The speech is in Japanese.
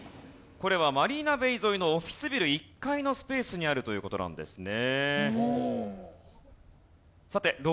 これはマリーナベイ沿いのオフィスビル１階のスペースにあるという事なんですね。